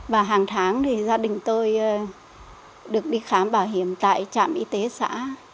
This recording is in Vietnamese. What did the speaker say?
và hàng tháng thì gia đình tôi được đi khám bảo hiểm tại trạm y tế xã